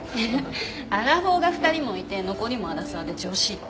アラフォーが２人もいて残りもアラサーで女子って。